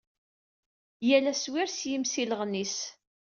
Yal aswir s yimsilɣen-is.